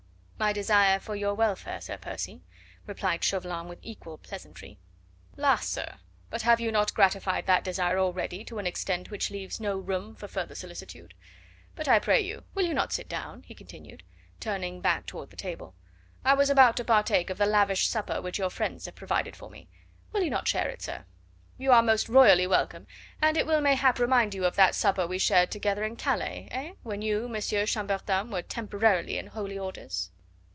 "My desire for your welfare, Sir Percy," replied Chauvelin with equal pleasantry. "La, sir; but have you not gratified that desire already, to an extent which leaves no room for further solicitude? But I pray you, will you not sit down?" he continued, turning back toward the table. "I was about to partake of the lavish supper which your friends have provided for me. Will you not share it, sir? You are most royally welcome, and it will mayhap remind you of that supper we shared together in Calais, eh? when you, Monsieur Chambertin, were temporarily in holy orders."